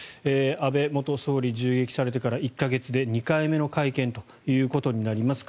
安倍元総理銃撃されてから１か月で２回目の会見ということになります。